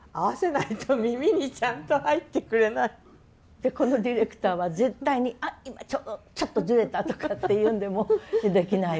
でこのディレクターは絶対に「あっ今ちょっとずれた」とかって言うんでもうできないわけね。